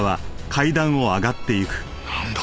なんだ？